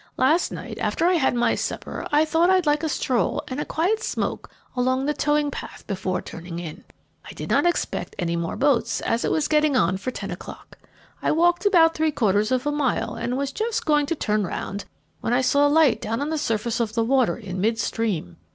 "Last night after I had had my supper I thought I'd like a stroll and a quiet smoke along the towing path before turning in. I did not expect any more boats, as it was getting on for ten o'clock. I walked about three quarters of a mile, and was just going to turn round, when I saw a light down on the surface of the water in mid stream.